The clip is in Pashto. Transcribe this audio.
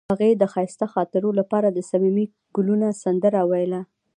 هغې د ښایسته خاطرو لپاره د صمیمي ګلونه سندره ویله.